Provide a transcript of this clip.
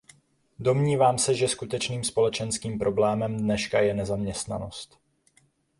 Domnívám se, že skutečným společenským problémem dneška je nezaměstnanost.